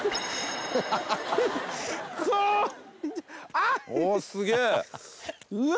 あっおっすげーうわ